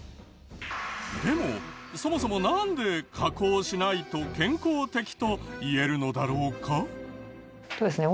でもそもそもなんで加工しないと健康的と言えるのだろうか？